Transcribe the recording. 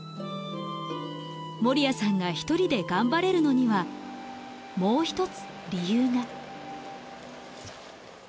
守屋さんが１人で頑張れるのにはもう一つ理由が。